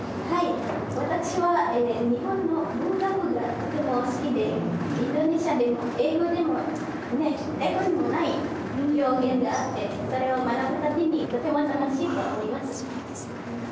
私は、日本の文学がとても好きで、インドネシア語にも英語にもない表現があって、それを学ぶために、とても楽しいと思います。